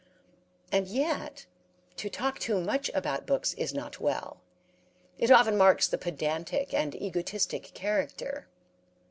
And yet, to talk too much about books is not well; it often marks the pedantic and egotistic character.